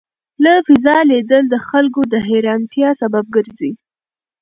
له فضا لیدل د خلکو د حېرانتیا سبب ګرځي.